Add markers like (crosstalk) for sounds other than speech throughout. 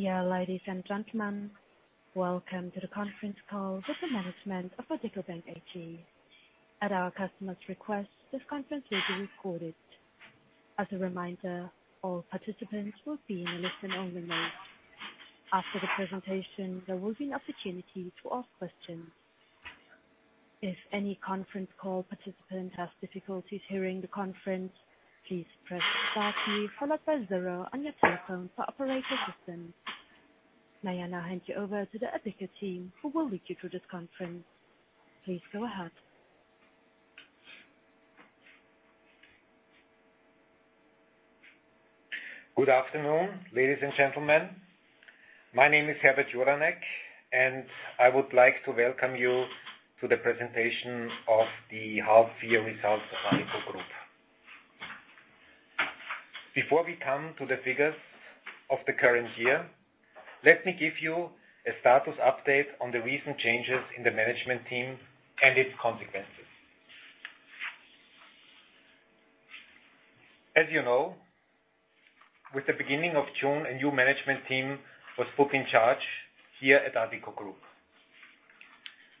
Yeah, ladies and gentlemen, welcome to the conference call with the management of Addiko Bank AG. At our customer's request, this conference is being recorded. As a reminder, all participants will be in a listen-only mode. After the presentation, there will be an opportunity to ask questions. If any conference call participant has difficulties hearing the conference, please press star key followed by zero on your telephone for operator assistance. May I now hand you over to the Addiko team who will lead you through this conference. Please go ahead. Good afternoon, ladies and gentlemen. My name is Herbert Juranek, and I would like to welcome you to the presentation of the half-year results of Addiko Group. Before we come to the figures of the current year, let me give you a status update on the recent changes in the management team and its consequences. As you know, with the beginning of June, a new management team was put in charge here at Addiko Group.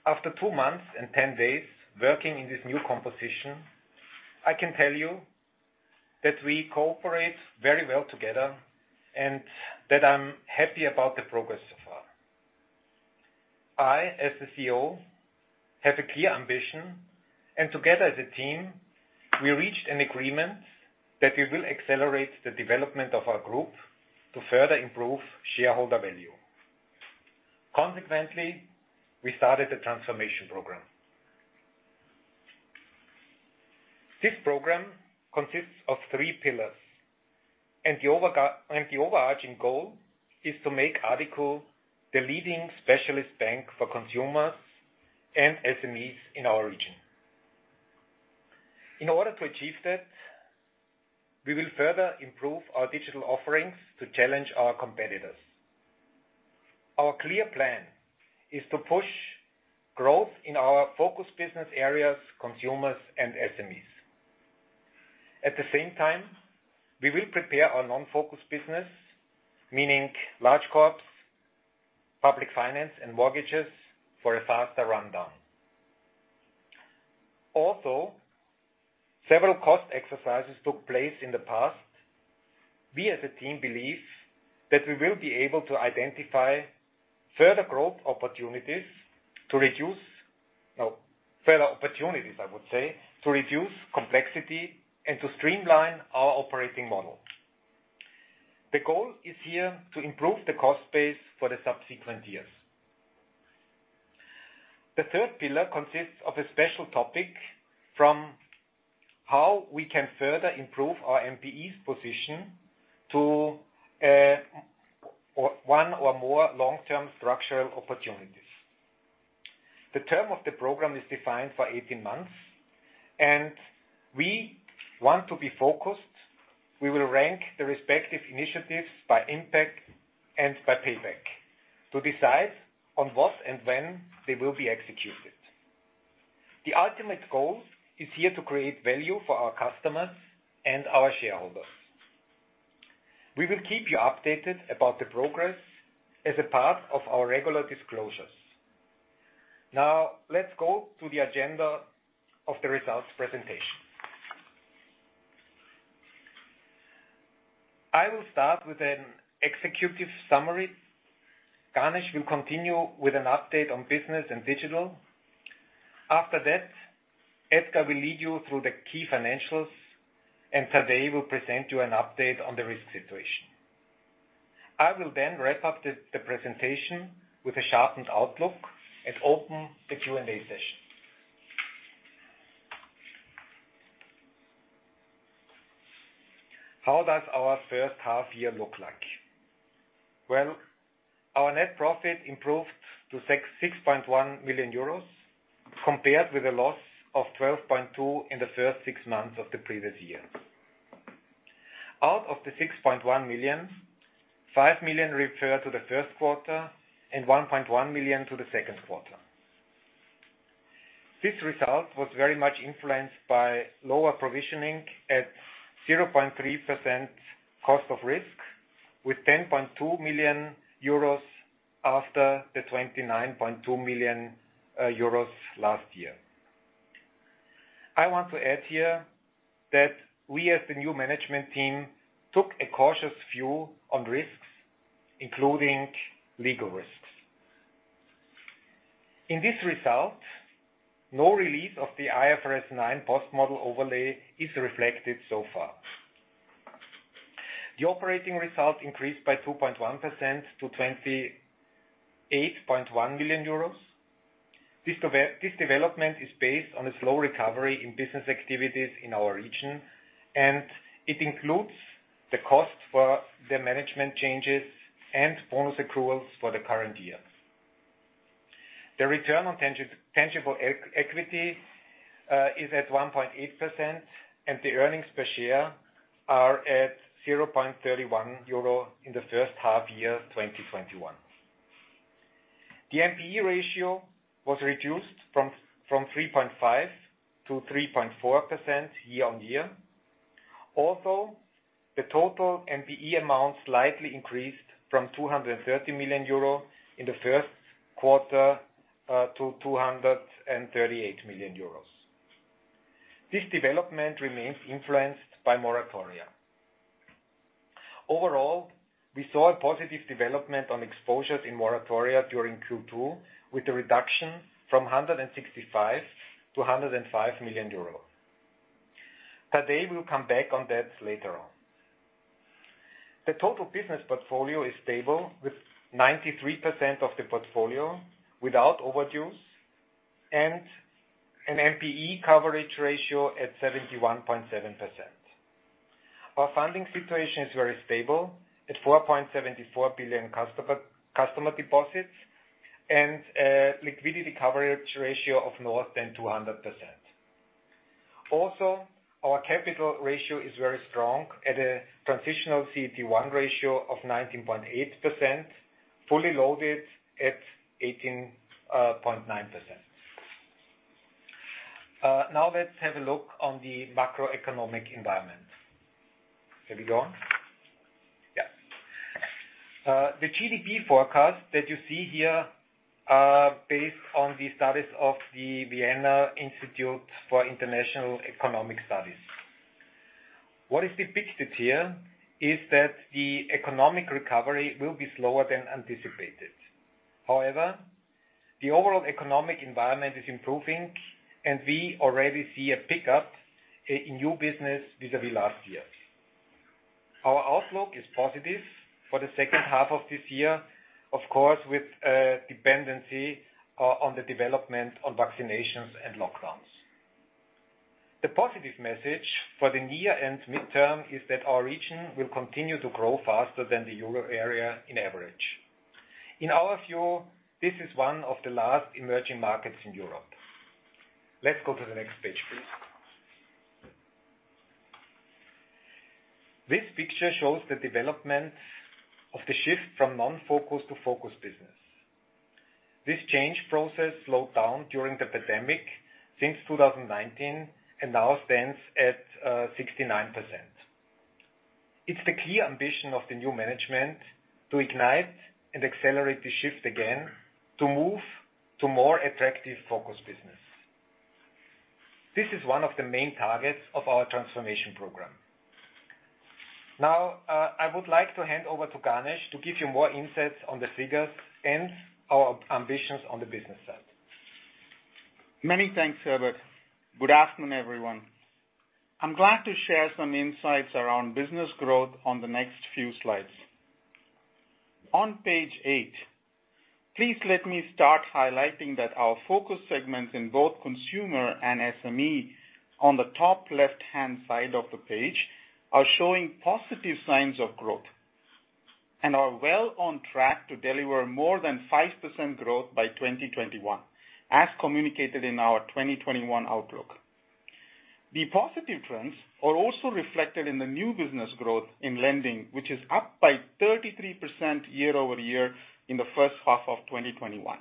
After two months and ten days working in this new composition, I can tell you that we cooperate very well together and that I'm happy about the progress so far. I, as the CEO, have a clear ambition, and together as a team, we reached an agreement that we will accelerate the development of our group to further improve shareholder value. Consequently, we started a transformation program. This program consists of three pillars, and the overarching goal is to make Addiko the leading specialist bank for consumers and SME in our region. In order to achieve that, we will further improve our digital offerings to challenge our competitors. Our clear plan is to push growth in our focus business areas, consumers and SME. At the same time, we will prepare our non-focus business, meaning large corps, public finance, and mortgages for a faster rundown. Also, several cost exercises took place in the past. We as a team believe that we will be able to identify further opportunities, I would say, to reduce complexity and to streamline our operating model. The goal is here to improve the cost base for the subsequent years. The third pillar consists of a special topic from how we can further improve our NPEs position to one or more long-term structural opportunities. The term of the program is defined for 18 months, and we want to be focused. We will rank the respective initiatives by impact and by payback to decide on what and when they will be executed. The ultimate goal is here to create value for our customers and our shareholders. We will keep you updated about the progress as a part of our regular disclosures. Now, let's go to the agenda of the results presentation. I will start with an executive summary. Ganesh will continue with an update on business and digital. After that, Edgar will lead you through the key financials, and Tadej will present you an update on the risk situation. I will then wrap up the presentation with a sharpened outlook and open the Q&A session. How does our first half year look like? Well, our net profit improved to 6.1 million euros compared with a loss of 12.2 million in the first six months of the previous year. Out of the 6.1 million, 5 million refer to the first quarter and 1.1 million to the second quarter. This result was very much influenced by lower provisioning at 0.3% cost of risk, with 10.2 million euros after the 29.2 million euros last year. I want to add here that we as the new management team took a cautious view on risks, including legal risks. In this result, no release of the IFRS 9 post-model overlay is reflected so far. The operating result increased by 2.1% to 28.1 million euros. This development is based on a slow recovery in business activities in our region, and it includes the cost for the management changes and bonus accruals for the current year. The return on tangible equity is at 1.8%, and the earnings per share are at 0.31 euro in the first half year 2021. The NPE ratio was reduced from 3.5%-3.4% year-on-year. The total NPE amount slightly increased from 230 million euro in the first quarter to 238 million euros. This development remains influenced by moratoria. We saw a positive development on exposures in moratoria during Q2, with a reduction from 165 million to 105 million euro. Tadej will come back on that later on. The total business portfolio is stable, with 93% of the portfolio without overdues and an NPE coverage ratio at 71.7%. Our funding situation is very stable at 4.74 billion customer deposits and a liquidity coverage ratio of more than 200%. Our capital ratio is very strong at a transitional CET1 ratio of 19.8%, fully loaded at 18.9%. Let's have a look on the macroeconomic environment. Can we go on? Yeah. The GDP forecast that you see here are based on the studies of the Vienna Institute for International Economic Studies. What is depicted here is that the economic recovery will be slower than anticipated. However, the overall economic environment is improving, and we already see a pickup in new business vis-à-vis last year. Our outlook is positive for the second half of this year, of course, with a dependency on the development of vaccinations and lockdowns. The positive message for the near and midterm is that our region will continue to grow faster than the Euro area in average. In our view, this is one of the last emerging markets in Europe. Let's go to the next page, please. This picture shows the development of the shift from non-focus to focus business. This change process slowed down during the pandemic since 2019, and now stands at 69%. It's the key ambition of the new management to ignite and accelerate the shift again to move to more attractive focus business. This is one of the main targets of our transformation program. Now, I would like to hand over to Ganesh to give you more insights on the figures and our ambitions on the business side. Many thanks, Herbert. Good afternoon, everyone. I'm glad to share some insights around business growth on the next few slides. On page eight, please let me start highlighting that our focus segments in both consumer and SME on the top left-hand side of the page are showing positive signs of growth and are well on track to deliver more than 5% growth by 2021, as communicated in our 2021 outlook. The positive trends are also reflected in the new business growth in lending, which is up by 33% year-over-year in the first half of 2021.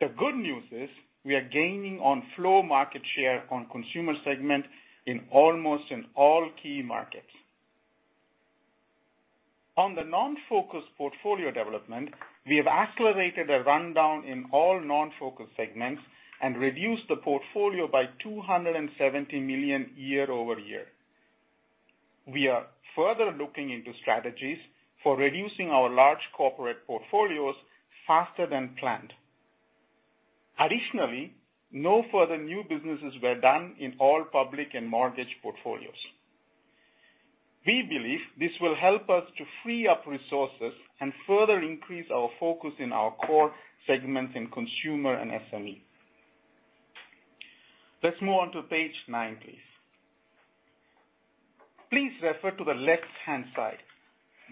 The good news is we are gaining on flow market share on consumer segment in almost in all key markets. On the non-focus portfolio development, we have accelerated a rundown in all non-focus segments and reduced the portfolio by 270 million year-over-year. We are further looking into strategies for reducing our large corporate portfolios faster than planned. Additionally, no further new businesses were done in all public and mortgage portfolios. We believe this will help us to free up resources and further increase our focus in our core segments in consumer and SME. Let's move on to page nine, please. Please refer to the left-hand side.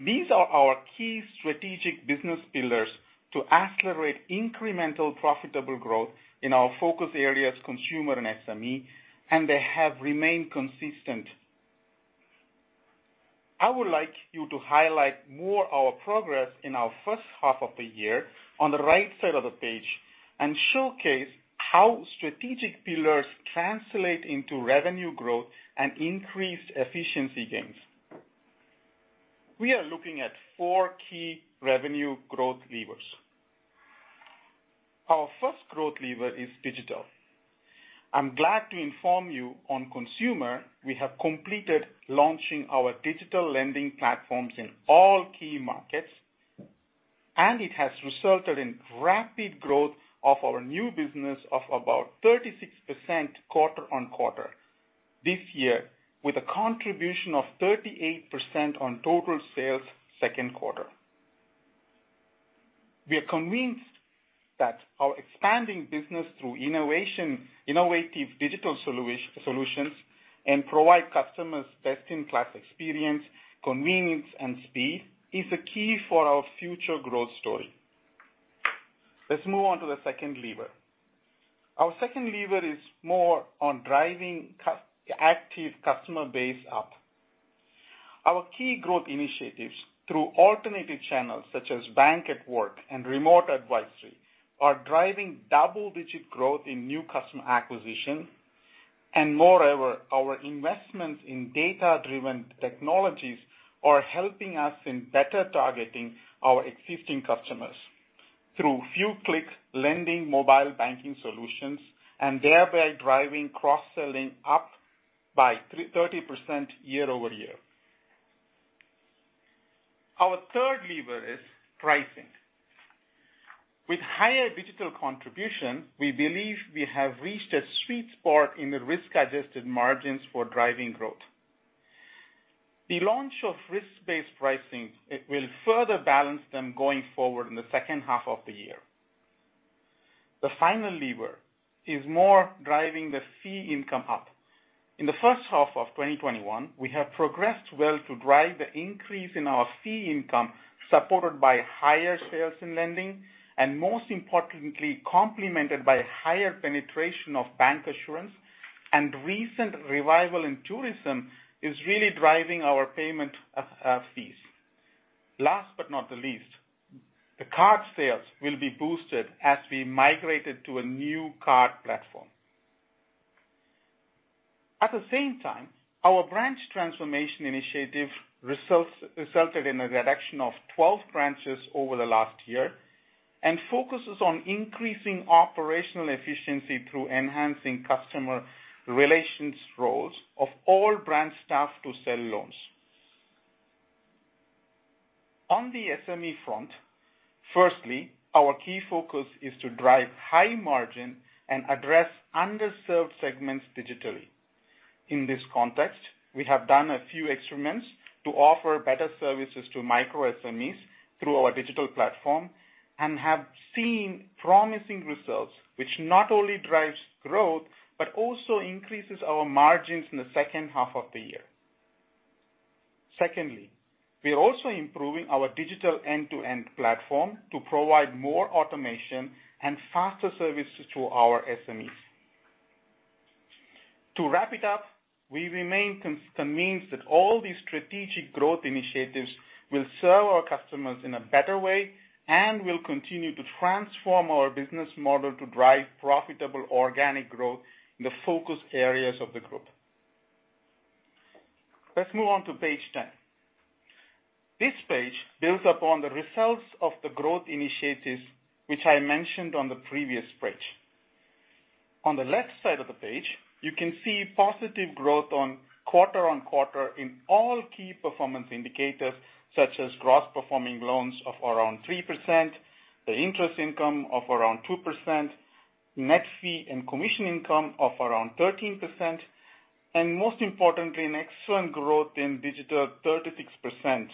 These are our key strategic business pillars to accelerate incremental profitable growth in our focus areas, consumer and SME, and they have remained consistent. I would like you to highlight more our progress in our first half of the year on the right side of the page and showcase how strategic pillars translate into revenue growth and increased efficiency gains. We are looking at four key revenue growth levers. Our first growth lever is digital. I'm glad to inform you on consumer, we have completed launching our digital lending platforms in all key markets. It has resulted in rapid growth of our new business of about 36% quarter-on-quarter this year, with a contribution of 38% on total sales second quarter. We are convinced that our expanding business through innovative digital solutions and provide customers best-in-class experience, convenience, and speed is the key for our future growth story. Let's move on to the second lever. Our second lever is more on driving active customer base up. Our key growth initiatives through alternative channels such as Bank@Work and remote advisory are driving double-digit growth in new customer acquisition. Moreover, our investments in data-driven technologies are helping us in better targeting our existing customers through few-click lending mobile banking solutions, and thereby driving cross-selling up by 30% year-over-year. Our third lever is pricing. With higher digital contribution, we believe we have reached a sweet spot in the risk-adjusted margins for driving growth. The launch of risk-based pricing, it will further balance them going forward in the second half of the year. The final lever is more driving the fee income up. In the first half of 2021, we have progressed well to drive the increase in our fee income, supported by higher sales in lending, and most importantly, complemented by higher penetration of bancassurance, and recent revival in tourism is really driving our payment fees. Last but not the least, the card sales will be boosted as we migrated to a new card platform. At the same time, our branch transformation initiative resulted in a reduction of 12 branches over the last year and focuses on increasing operational efficiency through enhancing customer relations roles of all branch staff to sell loans. On the SME front, firstly, our key focus is to drive high margin and address underserved segments digitally. In this context, we have done a few experiments to offer better services to micro SMEs through our digital platform and have seen promising results, which not only drives growth, but also increases our margins in the second half of the year. Secondly, we are also improving our digital end-to-end platform to provide more automation and faster services to our SMEs. To wrap it up, we remain convinced that all these strategic growth initiatives will serve our customers in a better way and will continue to transform our business model to drive profitable organic growth in the focus areas of the group. Let's move on to page 10. This page builds upon the results of the growth initiatives, which I mentioned on the previous page. On the left side of the page, you can see positive growth on quarter-on-quarter in all key performance indicators, such as gross performing loans of around 3%, the interest income of around 2%, net fee and commission income of around 13%, and most importantly, an excellent growth in digital, 36%,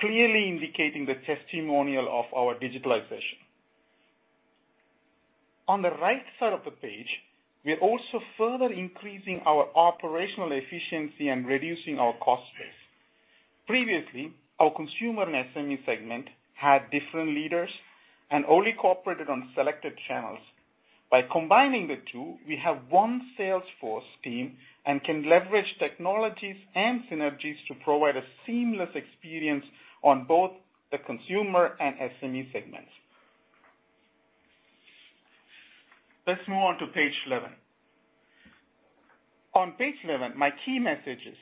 clearly indicating the testimonial of our digitalization. On the right side of the page, we are also further increasing our operational efficiency and reducing our cost base. Previously, our consumer and SME segment had different leaders and only cooperated on selected channels. By combining the two, we have one sales force team and can leverage technologies and synergies to provide a seamless experience on both the consumer and SME segments. Let's move on to page 11. On page 11, my key message is: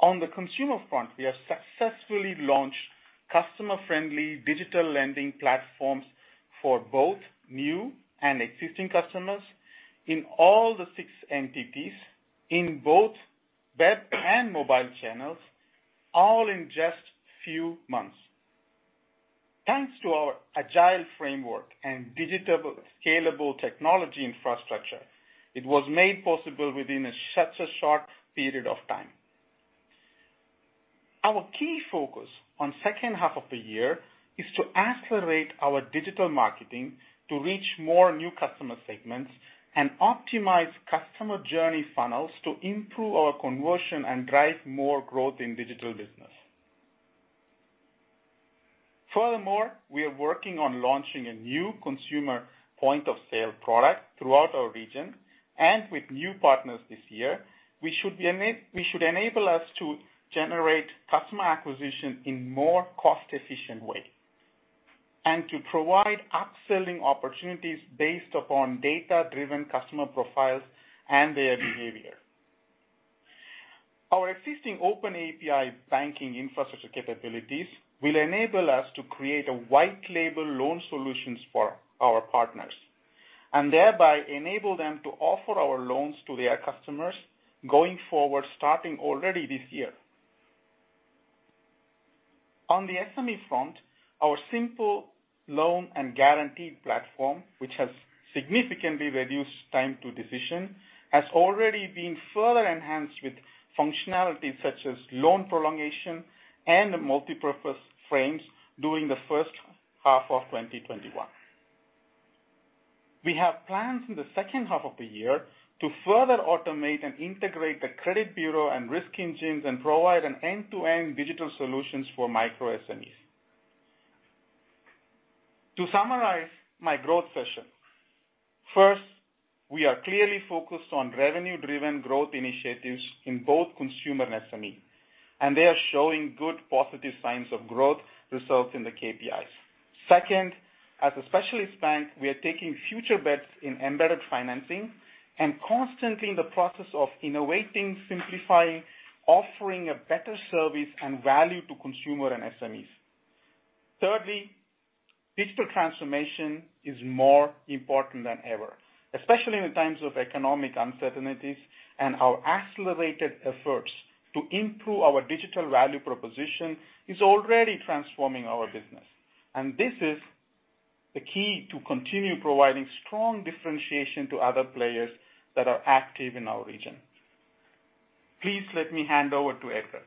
On the consumer front, we have successfully launched customer-friendly digital lending platforms for both new and existing customers in all the six entities, in both web and mobile channels, all in just few months. Thanks to our agile framework and digital scalable technology infrastructure, it was made possible within such a short period of time. Our key focus on second half of the year is to accelerate our digital marketing to reach more new customer segments and optimize customer journey funnels to improve our conversion and drive more growth in digital business. Furthermore, we are working on launching a new consumer point of sale product throughout our region, and with new partners this year, which should enable us to generate customer acquisition in more cost-efficient way, and to provide upselling opportunities based upon data-driven customer profiles and their behavior. Our existing open API banking infrastructure capabilities will enable us to create a white label loan solutions for our partners, and thereby enable them to offer our loans to their customers going forward, starting already this year. On the SME front, our simple loan and guarantee platform, which has significantly reduced time to decision, has already been further enhanced with functionalities such as loan prolongation and multipurpose frames during the first half of 2021. We have plans in the second half of the year to further automate and integrate the credit bureau and risk engines and provide an end-to-end digital solutions for micro SMEs. To summarize my growth session, first, we are clearly focused on revenue-driven growth initiatives in both consumer and SME, and they are showing good positive signs of growth results in the KPIs. Second, as a specialist bank, we are taking future bets in embedded financing and constantly in the process of innovating, simplifying, offering a better service and value to consumer and SMEs. Thirdly, digital transformation is more important than ever, especially in times of economic uncertainties, our accelerated efforts to improve our digital value proposition is already transforming our business. This is the key to continue providing strong differentiation to other players that are active in our region. Please let me hand over to Edgar.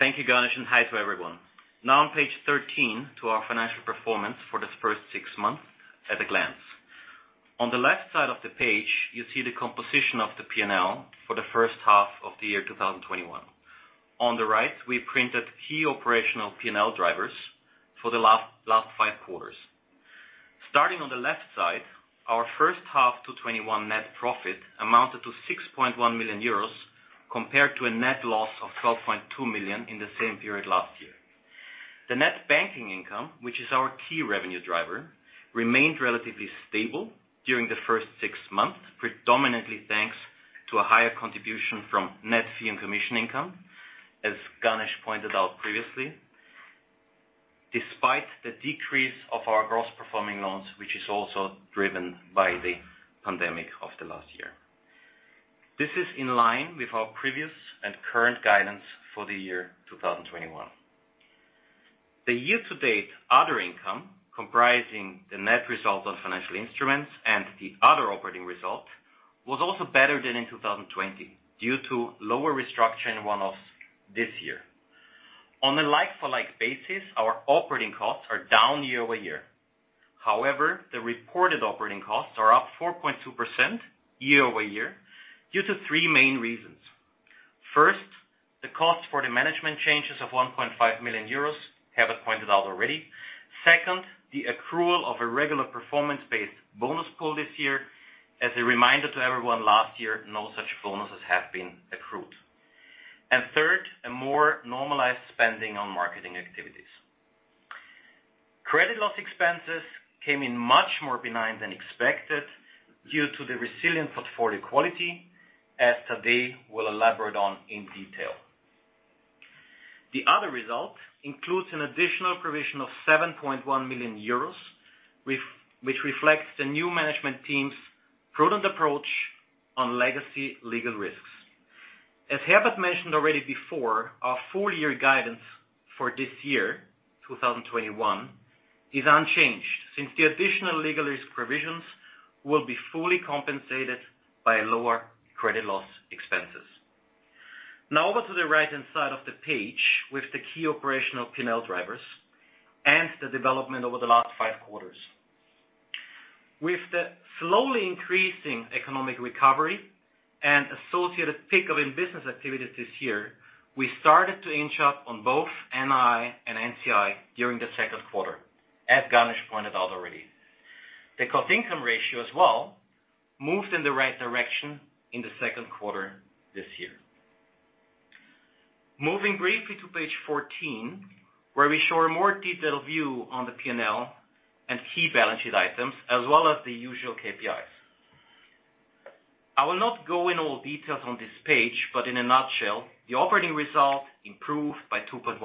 Thank you, Ganesh, and hi to everyone. Now on Page 13 to our financial performance for this first six months at a glance. On the left side of the page, you see the composition of the P&L for the first half of the year 2021. On the right, we printed key operational P&L drivers for the last five quarters. Starting on the left side, our first half 2021 net profit amounted to 6.1 million euros, compared to a net loss of 12.2 million in the same period last year. The net banking income, which is our key revenue driver, remained relatively stable during the first six months, predominantly thanks to a higher contribution from net fee and commission income, as Ganesh pointed out previously, despite the decrease of our gross performing loans, which is also driven by the pandemic of the last year. This is in line with our previous and current guidance for the year 2021. The year-to-date other income, comprising the net result of financial instruments and the other operating results, was also better than in 2020 due to lower restructuring one-offs this year. On a like-for-like basis, our operating costs are down year-over-year. However, the reported operating costs are up 4.2% year-over-year due to three main reasons. First, the cost for the management changes of 1.5 million euros, Herbert pointed out already. Second, the accrual of a regular performance-based bonus pool this year. As a reminder to everyone, last year, no such bonuses have been accrued. Third, a more normalized spending on marketing activities. Credit loss expenses came in much more benign than expected due to the resilient portfolio quality, as Tadej will elaborate on in detail. The other result includes an additional provision of 7.1 million euros, which reflects the new management team's prudent approach on legacy legal risks. As Herbert mentioned already before, our full-year guidance for this year, 2021, is unchanged, since the additional legal risk provisions will be fully compensated by lower credit loss expenses. Over to the right-hand side of the page with the key operational P&L drivers and the development over the last five quarters. With the slowly increasing economic recovery and associated pickup in business activities this year, we started to inch up on both NII and NCI during the second quarter, as Ganesh pointed out already. The cost-income ratio as well moved in the right direction in the second quarter this year. Moving briefly to Page 14, where we show a more detailed view on the P&L and key balance sheet items as well as the usual KPIs. I will not go in all details on this page. In a nutshell, the operating result improved by 2.1%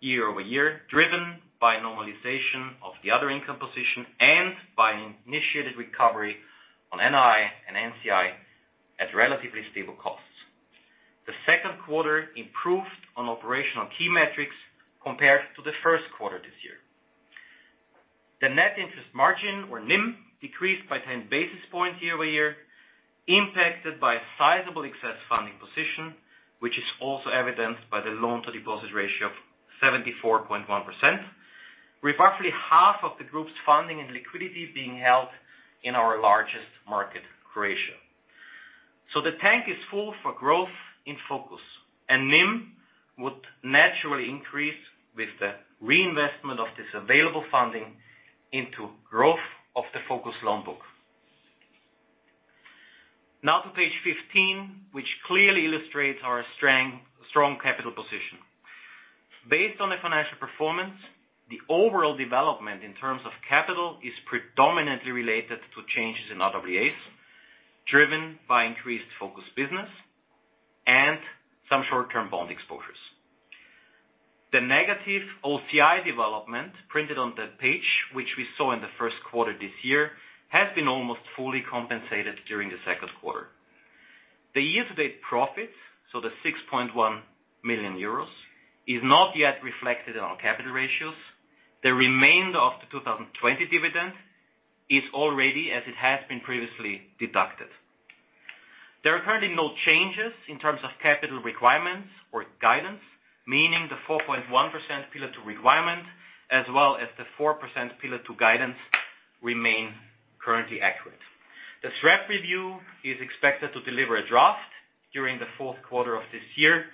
year-over-year, driven by normalization of the other income position and by an initiated recovery on NII and NCI at relatively stable costs. The second quarter improved on operational key metrics compared to the first quarter this year. The net interest margin, or NIM, decreased by 10 basis points year-over-year, impacted by sizable excess funding position, which is also evidenced by the loan-to-deposit ratio of 74.1%, with roughly half of the group's funding and liquidity being held in our largest market, Croatia. The tank is full for growth in focus. NIM would naturally increase with the reinvestment of this available funding into growth of the focus loan book. Now to Page 15, which clearly illustrates our strong capital position. Based on the financial performance, the overall development in terms of capital is predominantly related to changes in RWAs, driven by increased focus business and some short-term bond exposures. The negative OCI development printed on the page, which we saw in the first quarter this year, has been almost fully compensated during the second quarter. The year-to-date profits, so the 6.1 million euros, is not yet reflected in our capital ratios. The remainder of the 2020 dividend is already as it has been previously deducted. There are currently no changes in terms of capital requirements or guidance, meaning the 4.1% Pillar 2 requirement as well as the 4% Pillar 2 guidance remain currently accurate. The SREP review is expected to deliver a draft during the fourth quarter of this year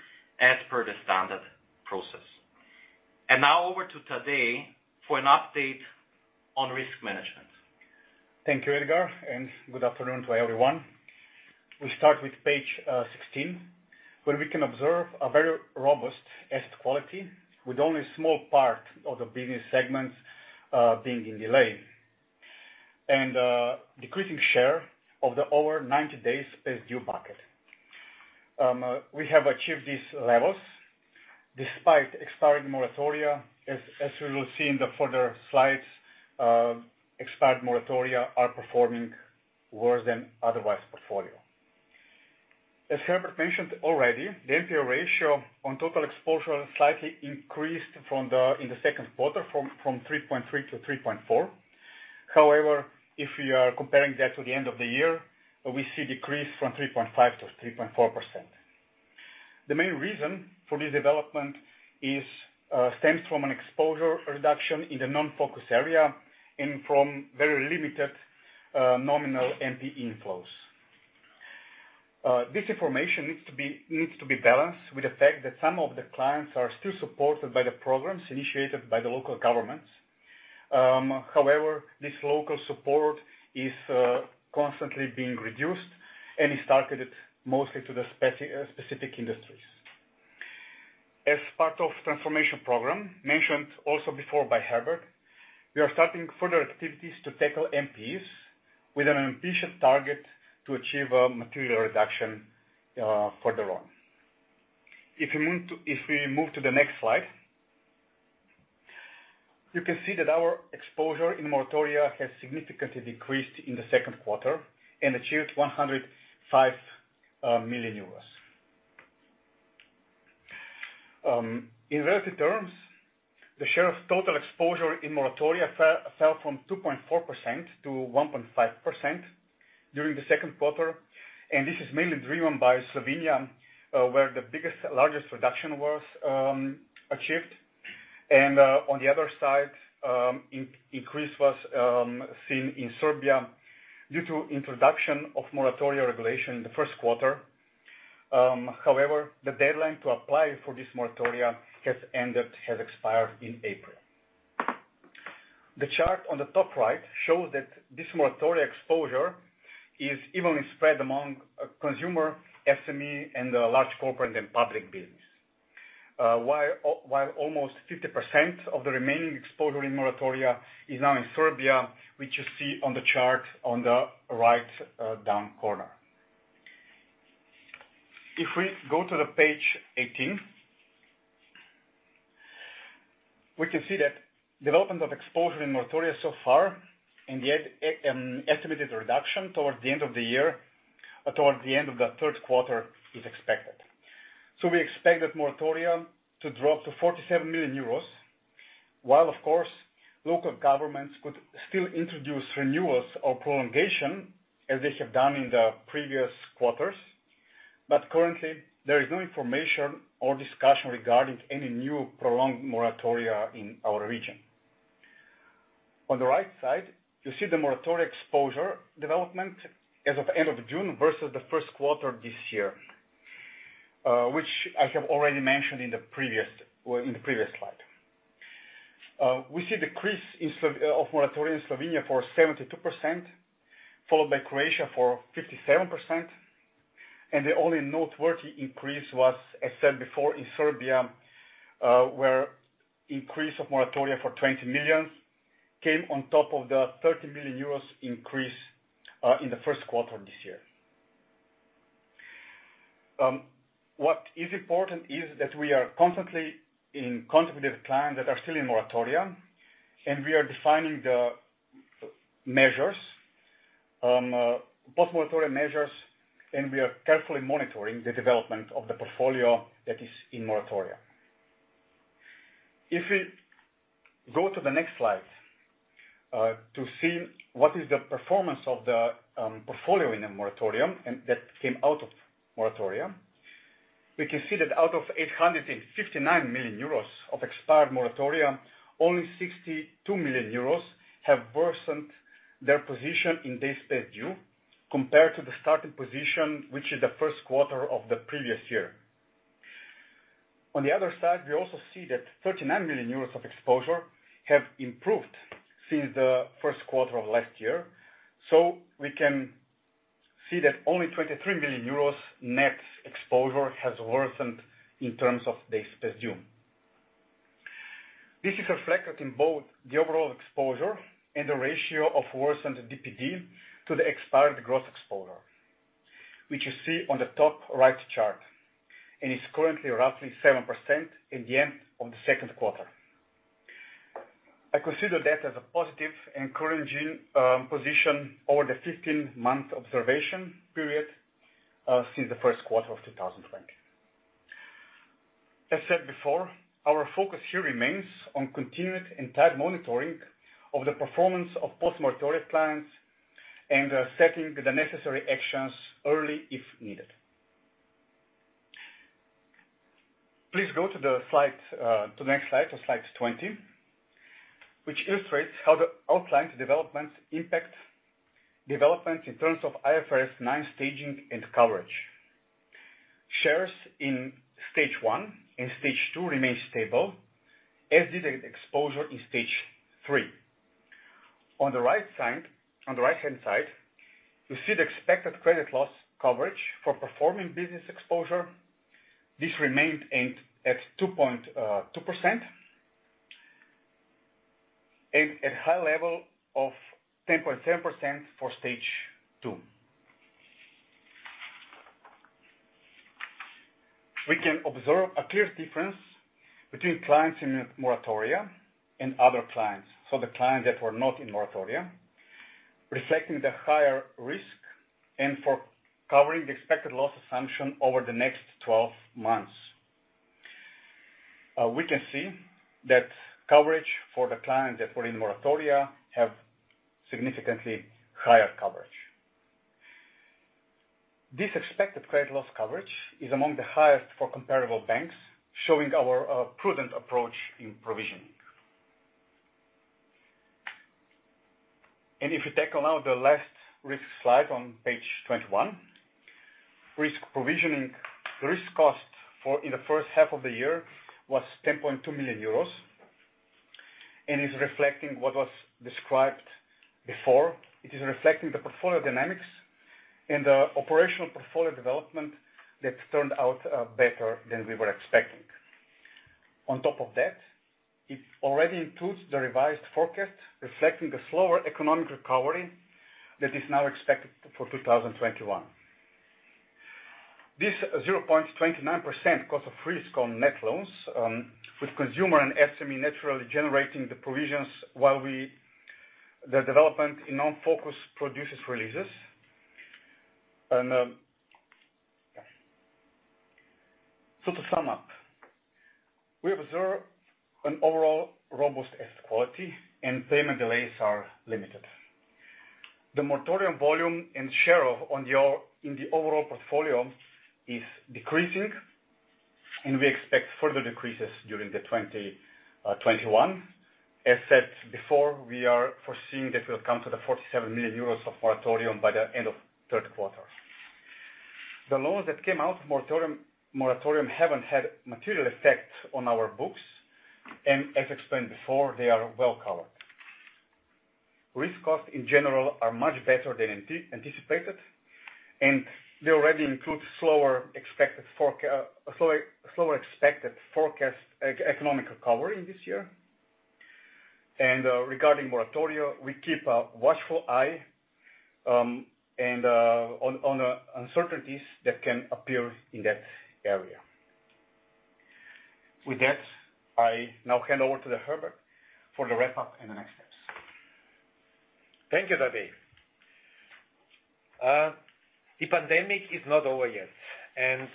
as per the standard process. Now over to Tadej for an update on risk management. Thank you, Edgar, and good afternoon to everyone. We start with page 16, where we can observe a very robust asset quality with only a small part of the business segments being in delay, and decreasing share of the over 90 days past due bucket. We have achieved these levels despite expiring moratoria. As we will see in the further slides, expired moratoria are performing worse than otherwise portfolio. As Herbert mentioned already, the NPL ratio on total exposure slightly increased in the second quarter, from 3.3%-3.4%. However, if we are comparing that to the end of the year, we see a decrease from 3.5%-3.4%. The main reason for this development stems from an exposure reduction in the non-focus area and from very limited nominal NPE inflows. This information needs to be balanced with the fact that some of the clients are still supported by the programs initiated by the local governments. However, this local support is constantly being reduced and is targeted mostly to the specific industries. As part of transformation program, mentioned also before by Herbert, we are starting further activities to tackle NPEs with an ambitious target to achieve a material reduction for the loan. If we move to the next slide, you can see that our exposure in moratoria has significantly decreased in the second quarter and achieved 105 million euros. In relative terms, the share of total exposure in moratoria fell from 2.4%-1.5% during the second quarter, and this is mainly driven by Slovenia, where the biggest, largest reduction was achieved. On the other side, increase was seen in Serbia due to introduction of moratoria regulation in the first quarter. However, the deadline to apply for this moratoria has expired in April. The chart on the top right shows that this moratoria exposure is evenly spread among consumer, SME, and large corporate and public business. While almost 50% of the remaining exposure in moratoria is now in Serbia, which you see on the chart on the right down corner. If we go to the page 18, we can see that development of exposure in moratoria so far and the estimated reduction towards the end of the year or towards the end of the third quarter is expected. We expect that moratoria to drop to 47 million euros, while, of course, local governments could still introduce renewals or prolongation as they have done in the previous quarters. Currently, there is no information or discussion regarding any new prolonged moratoria in our region. On the right side, you see the moratoria exposure development as of end of June versus the first quarter this year, which I have already mentioned in the previous slide. We see decrease of moratoria in Slovenia for 72%, followed by Croatia for 57%, and the only noteworthy increase was, as said before, in Serbia, where increase of moratoria for 20 million came on top of the 30 million euros increase in the first quarter this year. What is important is that we are constantly in contact with clients that are still in moratoria, and we are defining the measures, post-moratoria measures, and we are carefully monitoring the development of the portfolio that is in moratoria. If we go to the next slide to see what is the performance of the portfolio in the moratoria and that came out of moratoria, we can see that out of 859 million euros of expired moratoria, only 62 million euros have worsened their position in days past due compared to the starting position, which is the first quarter of the previous year. On the other side, we also see that 39 million euros of exposure have improved since the first quarter of last year. We can see that only 23 million euros net exposure has worsened in terms of days past due. This is reflected in both the overall exposure and the ratio of worsened DPD to the expired gross exposure, which you see on the top right chart, and is currently roughly 7% in the end of the second quarter. I consider that as a positive encouraging position over the 15-month observation period since the first quarter of 2020. As said before, our focus here remains on continued and tight monitoring of the performance of post-moratoria clients and setting the necessary actions early if needed. Please go to the next slide 20, which illustrates how the outlined developments impact developments in terms of IFRS 9 staging and coverage. Shares in Stage 1 and Stage 2 remain stable, as does exposure in Stage 3. On the right-hand side, you see the expected credit loss coverage for performing business exposure. This remained at 2.2%, and at high level of 10.7% for Stage 2. We can observe a clear difference between clients in the moratoria and other clients, so the clients that were not in moratoria, reflecting the higher risk and for covering the expected loss assumption over the next 12 months. We can see that coverage for the clients that were in moratoria have significantly higher coverage. This expected credit loss coverage is among the highest for comparable banks, showing our prudent approach in provisioning. If you take a look at the last risk slide on page 21, risk provisioning, the risk cost in the first half of the year was 10.2 million euros and is reflecting what was described before. It is reflecting the portfolio dynamics and the operational portfolio development that turned out better than we were expecting. On top of that, it already includes the revised forecast, reflecting a slower economic recovery that is now expected for 2021. This 0.29% cost of risk on net loans, with consumer and SME naturally generating the provisions while the development in non-focus produces releases. To sum up, we observe an overall robust asset quality and payment delays are limited. The moratorium volume and share in the overall portfolio is decreasing, and we expect further decreases during 2021. As said before, we are foreseeing that we will come to 47 million euros of moratorium by the end of third quarter. The loans that came out of moratorium haven't had material effect on our books, and as explained before, they are well-covered. Risk costs, in general, are much better than anticipated, and they already include slower expected forecast economic recovery this year. Regarding moratoria, we keep a watchful eye on uncertainties that can appear in that area. With that, I now hand over to Herbert for the wrap-up and the next steps. Thank you, Tadej. The pandemic is not over yet, and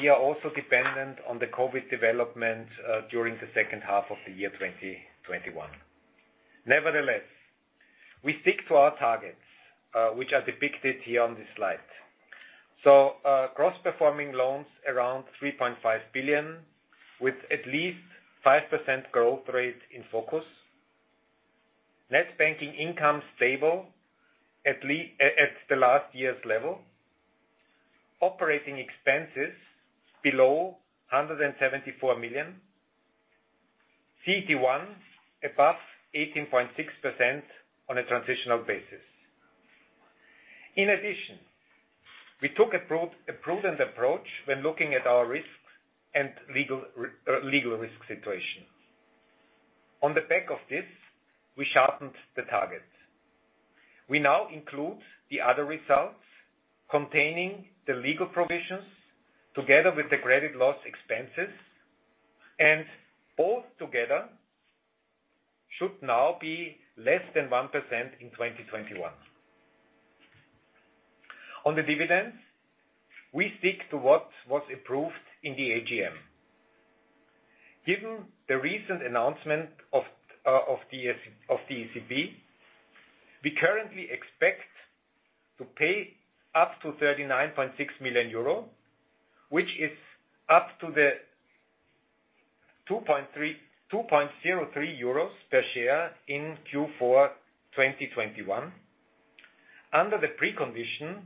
we are also dependent on the COVID development during the second half of the year 2021. Nevertheless, we stick to our targets, which are depicted here on this slide. Gross performing loans around 3.5 billion, with at least 5% growth rate in focus. Net banking income stable at the last year's level. Operating expenses below EUR 174 million. CET1 above 18.6% on a transitional basis. In addition, we took a prudent approach when looking at our risk and legal risk situation. On the back of this, we sharpened the targets. We now include the other results containing the legal provisions together with the credit loss expenses, and both together should now be less than 1% in 2021. On the dividends, we stick to what was approved in the AGM. Given the recent announcement of the ECB, we currently expect to pay up to 39.6 million euro, which is up to the 2.03 euros per share in Q4 2021, under the precondition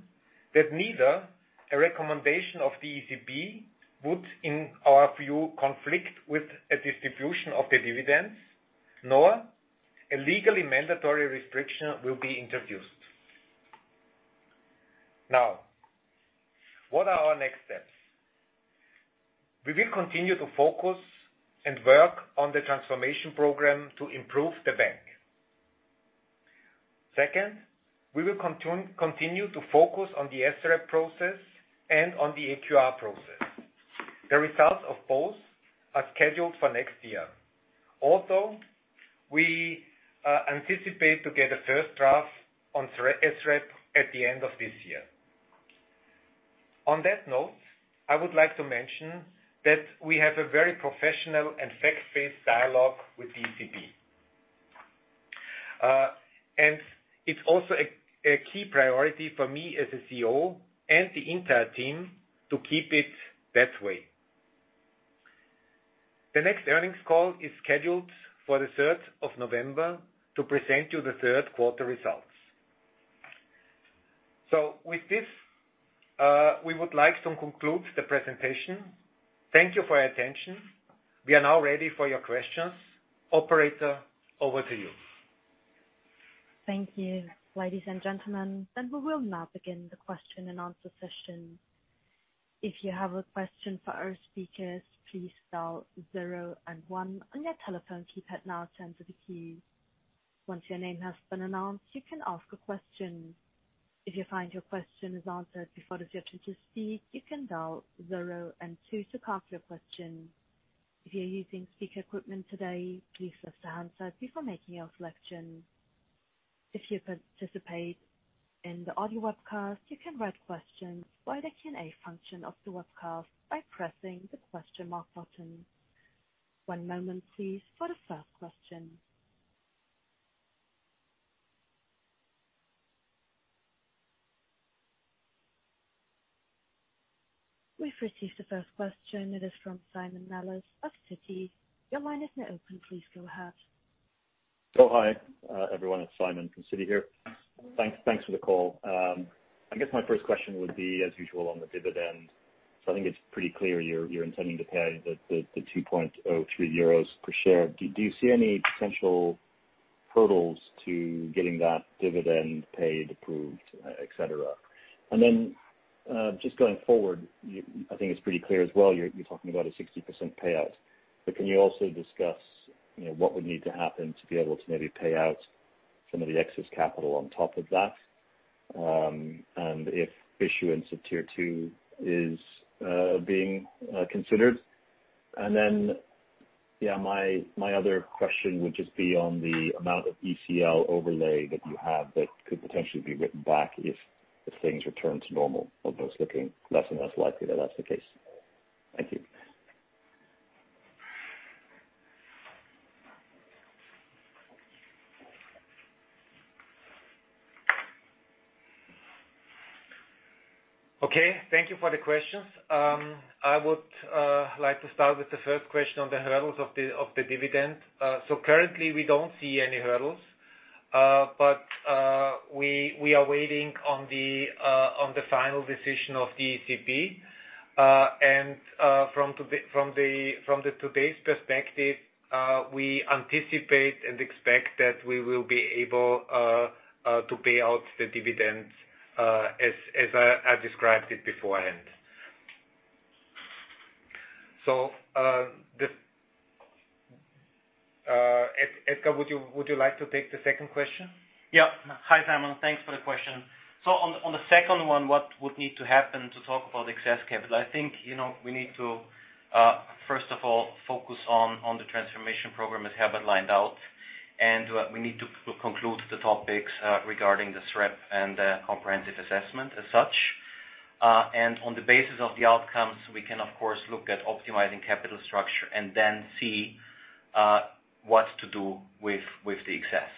that neither a recommendation of the ECB would, in our view, conflict with a distribution of the dividends, nor a legally mandatory restriction will be introduced. What are our next steps? We will continue to focus and work on the transformation program to improve the bank. Second, we will continue to focus on the SREP process and on the AQR process. The results of both are scheduled for next year. Although we anticipate to get a first draft on SREP at the end of this year. On that note, I would like to mention that we have a very professional and fact-based dialogue with the ECB It's also a key priority for me as a CEO and the entire team to keep it that way. The next earnings call is scheduled for the November 3rd, to present you the third quarter results. With this, we would like to conclude the presentation. Thank you for your attention. We are now ready for your questions. Operator, over to you. Thank you, ladies and gentlemen. We will now begin the question and answer session. If you have a question for our speakers, please dial zero and one on your telephone keypad now to enter the queue. Once your name has been announced, you can ask a question. If you find your question is answered before it is your turn to speak, you can dial zero and two to park your question. If you're using speaker equipment today, please mute the handset before making your selection. If you participate in the audio webcast, you can write questions via the Q&A function of the webcast by pressing the question mark button. One moment please for the first question. We've received the first question. It is from Simon Nellis of Citi. Your line is now open. Please go ahead. Oh, hi. Everyone, it's Simon from Citi here. Thanks for the call. I guess my first question would be, as usual, on the dividend. I think it's pretty clear you're intending to pay the 2.03 euros per share. Do you see any potential hurdles to getting that dividend paid, approved, et cetera? Just going forward, I think it's pretty clear as well, you're talking about a 60% payout. Can you also discuss what would need to happen to be able to maybe pay out some of the excess capital on top of that? If issuance of Tier 2 is being considered? Yeah, my other question would just be on the amount of ECL overlay that you have that could potentially be written back if things return to normal, although it's looking less and less likely that that's the case. Thank you. Okay. Thank you for the questions. I would like to start with the first question on the hurdles of the dividend. Currently, we don't see any hurdles. We are waiting on the final decision of the ECB. From today's perspective, we anticipate and expect that we will be able to pay out the dividends as I described it beforehand. Edgar, would you like to take the second question? Yeah. Hi, Simon. Thanks for the question. On the second one, what would need to happen to talk about excess capital? I think we need to, first of all, focus on the transformation program as Herbert lined out, and we need to conclude the topics regarding the SREP and the comprehensive assessment as such. On the basis of the outcomes, we can, of course, look at optimizing capital structure and then see what to do with the excess.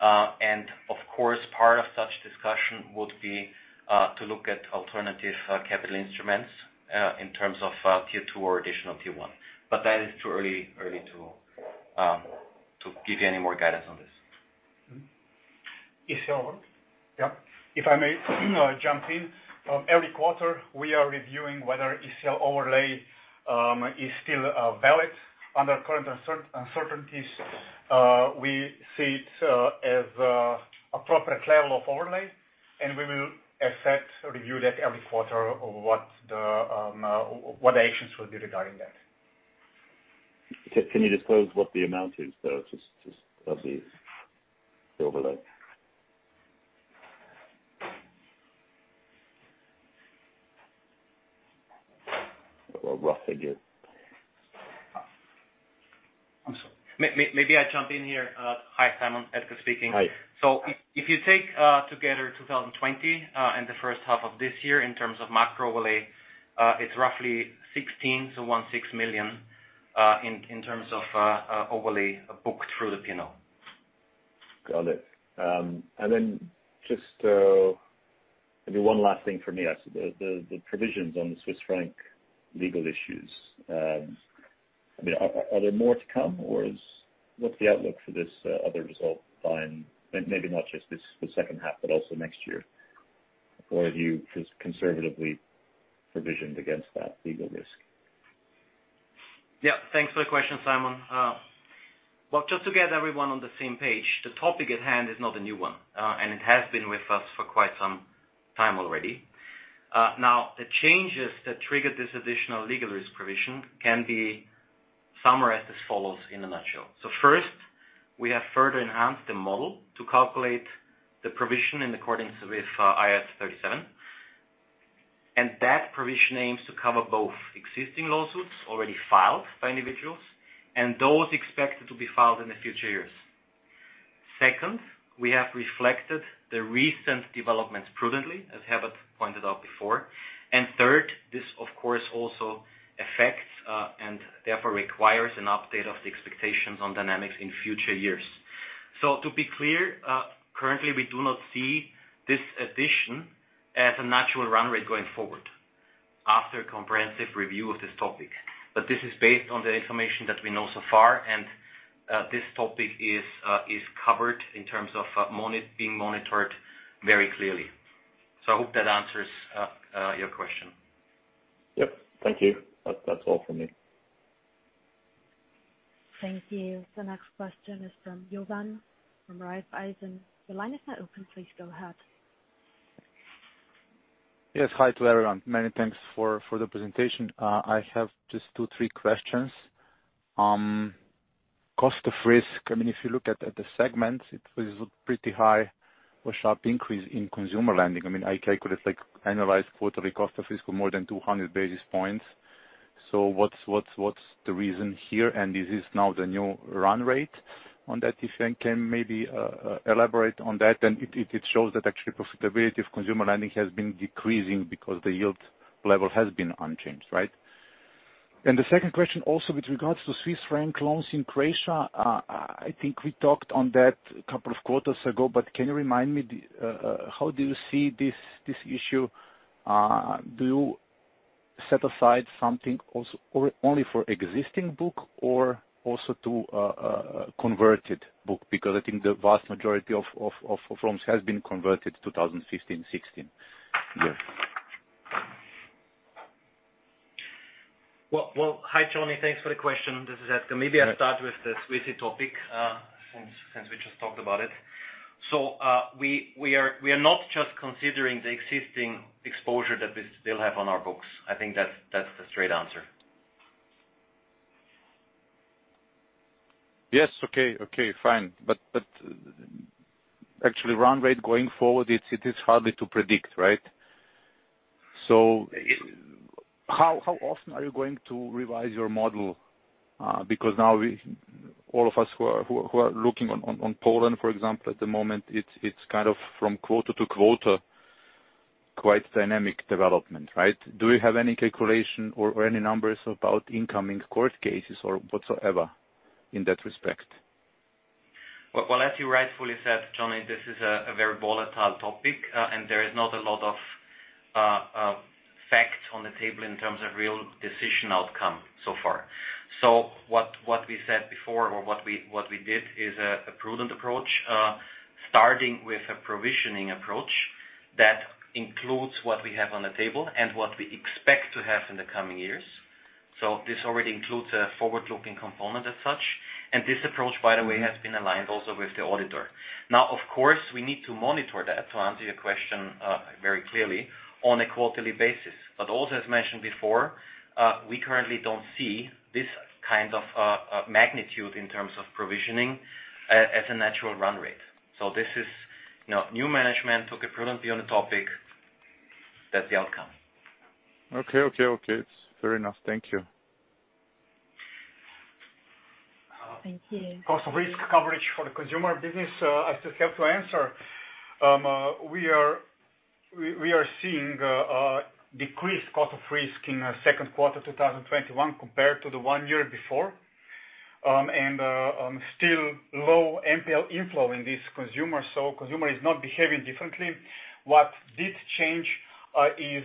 Of course, part of such discussion would be to look at alternative capital instruments, in terms of Tier 2 or Additional Tier 1. That is too early to give you any more guidance on this. (inaudible) If I may jump in. Every quarter, we are reviewing whether ECL overlay is still valid under current uncertainties. We see it as appropriate level of overlay, and we will assess or review that every quarter of what the actions will be regarding that. Can you disclose what the amount is, though, just of the overlay, or rough figure? I'm sorry. Maybe I jump in here. Hi, Simon, Edgar speaking. Hi. If you take together 2020, and the first half of this year, in terms of macro overlay, it's roughly 16, so 16 million, in terms of overlay booked through the P&L. Got it. Just maybe one last thing for me. The provisions on the Swiss franc legal issues. Are there more to come? What's the outlook for this other result by maybe not just the second half, but also next year? Have you just conservatively provisioned against that legal risk? Thanks for the question, Simon. Well, just to get everyone on the same page, the topic at hand is not a new one. It has been with us for quite some time already. The changes that triggered this additional legal risk provision can be summarized as follows in a nutshell. First, we have further enhanced the model to calculate the provision in accordance with IAS 37. That provision aims to cover both existing lawsuits already filed by individuals and those expected to be filed in the future years. Second, we have reflected the recent developments prudently, as Herbert pointed out before. Third, this of course also affects. Therefore requires an update of the expectations on dynamics in future years. To be clear, currently we do not see this addition as a natural run rate going forward after a comprehensive review of this topic. This is based on the information that we know so far, and this topic is covered in terms of being monitored very clearly. I hope that answers your question. Yep. Thank you. That's all from me. Thank you. The next question is from Jovan Sikimić from Raiffeisen. Your line is now open. Please go ahead. Hi to everyone. Many thanks for the presentation. I have just two, three questions. Cost of risk. If you look at the segments, it is pretty high or sharp increase in consumer lending. I calculated, analyzed quarterly cost of risk for more than 200 basis points. What's the reason here, and is this now the new run rate on that? If you can maybe elaborate on that. It shows that actually profitability of consumer lending has been decreasing because the yield level has been unchanged, right? The second question also with regards to Swiss franc loans in Croatia, I think we talked on that a couple of quarters ago, but can you remind me, how do you see this issue? Do you set aside something only for existing book or also to converted book? I think the vast majority of loans has been converted 2015, 2016. Yes. Hi, Johnny. Thanks for the question. This is Edgar. Maybe I'll start with the Swiss franc topic, since we just talked about it. We are not just considering the existing exposure that we still have on our books. I think that's the straight answer. Yes, okay, fine. Actually run rate going forward, it is hardly to predict, right? How often are you going to revise your model? Now all of us who are looking on Poland, for example, at the moment, it's kind of from quarter to quarter, quite dynamic development, right? Do you have any calculation or any numbers about incoming court cases or whatsoever in that respect? Well, as you rightfully said, Jovan, this is a very volatile topic, and there is not a lot of facts on the table in terms of real decision outcome so far. What we said before or what we did is a prudent approach, starting with a provisioning approach that includes what we have on the table and what we expect to have in the coming years. This already includes a forward-looking component as such. This approach, by the way, has been aligned also with the auditor. Now, of course, we need to monitor that, to answer your question very clearly, on a quarterly basis. Also, as mentioned before, we currently don't see this kind of magnitude in terms of provisioning, as a natural run rate. This is new management took a prudent view on the topic. That's the outcome. Okay. It's fair enough. Thank you. Thank you. Cost of risk coverage for the consumer business, I still have to answer. We are seeing a decreased cost of risk in second quarter 2021 compared to the one year before. Still low NPL inflow in this consumer, so consumer is not behaving differently. What did change is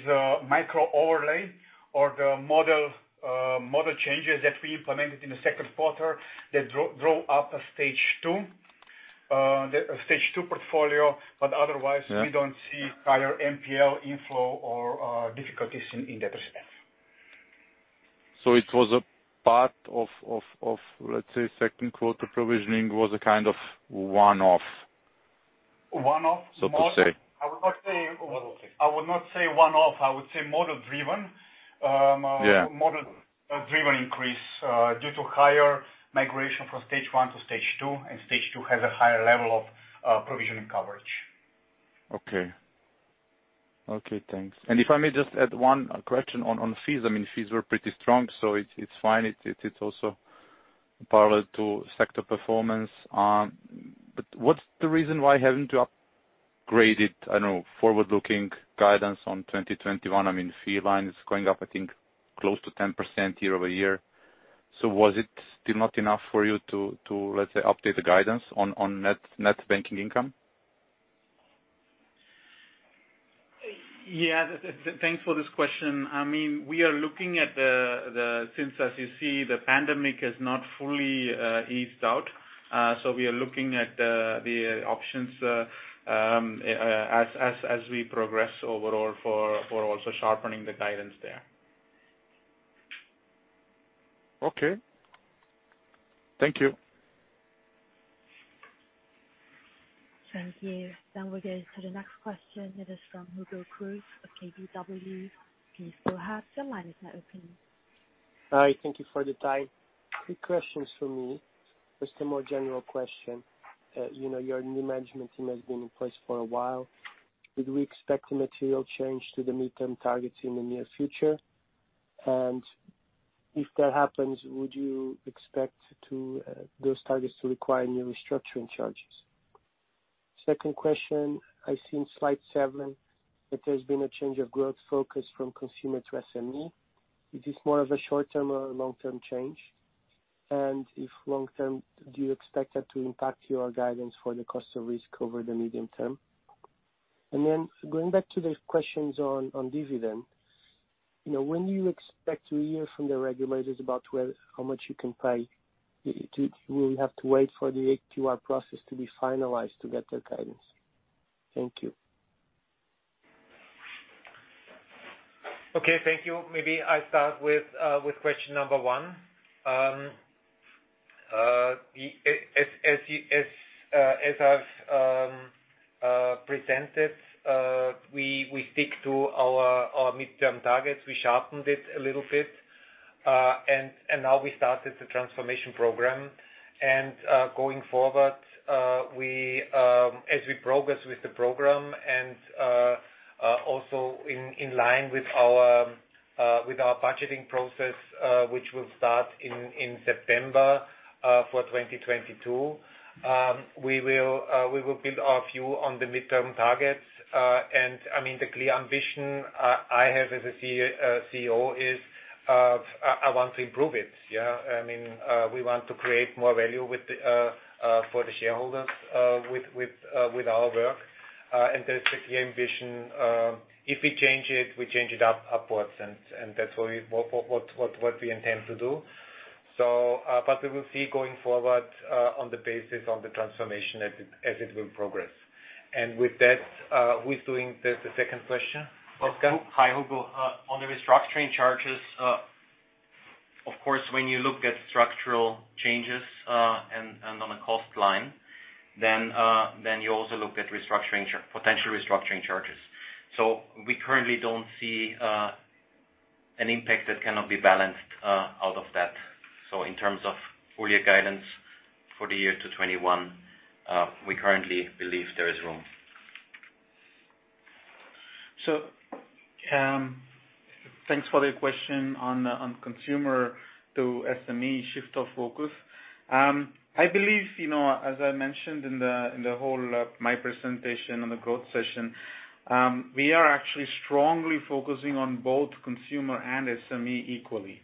macro overlay or the model changes that we implemented in the second quarter that drove up a Stage 2 portfolio. Otherwise. Yeah we don't see higher NPL inflow or difficulties in that respect. It was a part of, let's say, second quarter provisioning was a kind of one-off. One-off model. To say. I would not say one-off, I would say model-driven. Yeah. Model-driven increase due to higher migration from Stage 1 to Stage 2, and Stage 2 has a higher level of provisioning coverage. Okay. Thanks. If I may just add one question on fees. Fees were pretty strong. It's fine. It's also parallel to sector performance. What's the reason why you haven't upgraded, I don't know, forward-looking guidance on 2021? Fee line is going up, I think, close to 10% year-over-year. Was it still not enough for you to, let's say, update the guidance on net banking income? Yeah. Thanks for this question. As you see, the pandemic has not fully eased out. We are looking at the options as we progress overall for also sharpening the guidance there. Okay. Thank you. Thank you. We'll go to the next question. It is from Hugo Cruz of KBW. Please go ahead. Your line is now open. Hi. Thank you for the time. Two questions from me. First, a more general question. Your new management team has been in place for a while. Do we expect a material change to the midterm targets in the near future? If that happens, would you expect those targets to require new restructuring charges? Second question, I've seen slide seven, that there's been a change of growth focus from consumer to SME. Is this more of a short-term or a long-term change? If long-term, do you expect that to impact your guidance for the cost of risk over the medium term? Going back to the questions on dividend, when do you expect to hear from the regulators about how much you can pay? Will you have to wait for the AQR process to be finalized to get their guidance? Thank you. Okay. Thank you. Maybe I start with question number one. As I've presented, we stick to our midterm targets. We sharpened it a little bit, and now we started the transformation program. Going forward, as we progress with the program and also in line with our budgeting process, which will start in September for 2022, we will build our view on the midterm targets. The clear ambition I have as a CEO is, I want to improve it. We want to create more value for the shareholders with our work. That's the clear ambition. If we change it, we change it upwards, and that's what we intend to do. We will see going forward, on the basis on the transformation as it will progress. With that, who's doing the second question? Edgar? Hi, Hugo. On the restructuring charges, of course, when you look at structural changes and on a cost line, you also look at potential restructuring charges. We currently don't see an impact that cannot be balanced out of that. In terms of full-year guidance for the year to 2021, we currently believe there is room. Thanks for the question on consumer to SME shift of focus. I believe, as I mentioned in the whole of my presentation on the growth session, we are actually strongly focusing on both consumer and SME equally.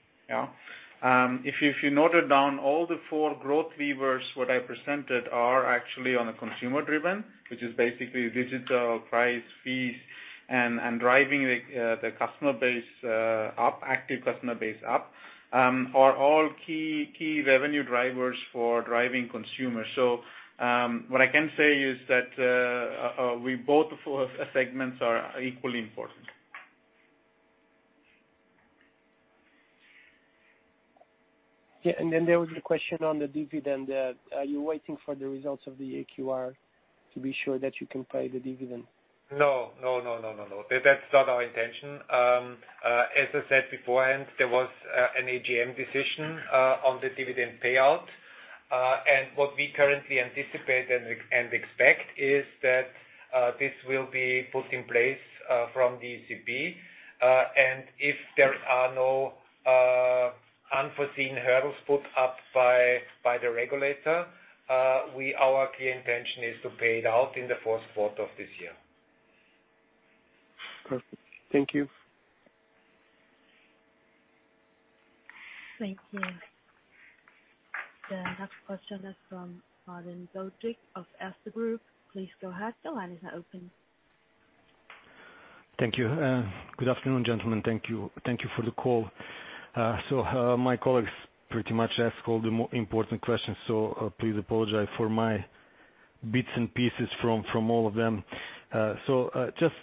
If you noted down all the four growth levers what I presented are actually on a consumer-driven, which is basically digital price fees and driving the active customer base up, are all key revenue drivers for driving consumers. What I can say is that both segments are equally important. Yeah. There was the question on the dividend. Are you waiting for the results of the AQR to be sure that you can pay the dividend? No. That's not our intention. As I said beforehand, there was an AGM decision on the dividend payout. What we currently anticipate and expect is that this will be put in place from the ECB, and if there are no unforeseen hurdles put up by the regulator, our clear intention is to pay it out in the fourth quarter of this year. Perfect. Thank you. Thank you. The next question is from Mladen Dodig of Erste Group. Please go ahead. The line is now open. Thank you. Good afternoon, gentlemen. Thank you for the call. My colleagues pretty much asked all the more important questions, so please apologize for my bits and pieces from all of them. Just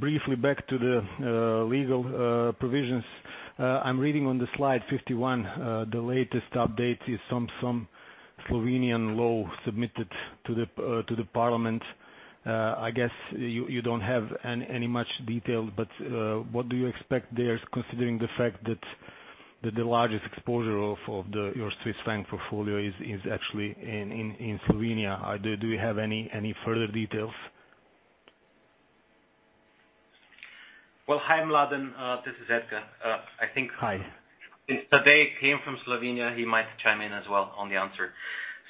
briefly back to the legal provisions. I'm reading on the slide 51, the latest update is some Slovenian law submitted to the parliament. I guess you don't have any much detail, but what do you expect there, considering the fact that the largest exposure of your Swiss franc portfolio is actually in Slovenia. Do you have any further details? Well, hi, Mladen Dodig. This is Edgar. Hi. Since Tadej came from Slovenia, he might chime in as well on the answer.